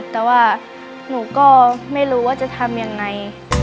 แต่ว่าหนูก็ไม่รู้ว่าจะทำยังไง